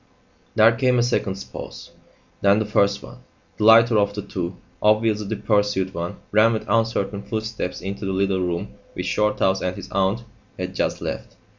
There came a second's pause. Then the first one, the lighter of the two, obviously the pursued one, ran with uncertain footsteps into the little room which Shorthouse and his aunt had just left.